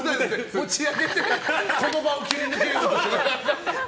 持ち上げてこの場を切り抜けようとして。